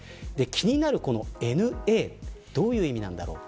気になるＮ／Ａどういう意味なんだろう。